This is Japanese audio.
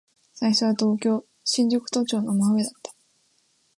最初は東京、新宿都庁の真上だった。